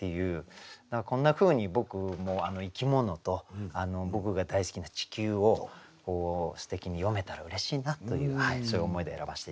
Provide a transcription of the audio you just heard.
こんなふうに僕も生き物と僕が大好きな地球をすてきに詠めたらうれしいなというそういう思いで選ばせて頂きました。